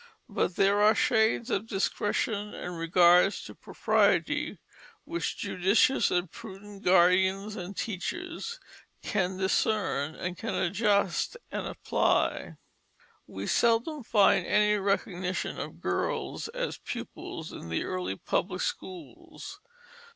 But there are shades of discretion and regards to propriety which judicious and prudent guardians and teachers can discern and can adjust and apply." We seldom find any recognition of girls as pupils in the early public schools.